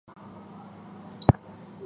苏士润之侄。